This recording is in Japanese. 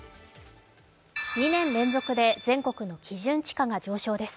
２年連続で全国の基準地価が上昇です。